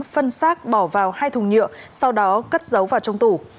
phân xác bỏ vào hai thùng nhựa sau đó cất dấu vào trong tủ